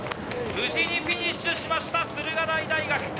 無事にフィニッシュしました、駿河台大学。